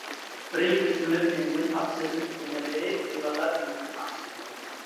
بىرى ئۆسۈملۈك تېنىدىن ئاقسىل يەنە بىرى ھايۋاناتلار تېنىدىن ئاقسىل.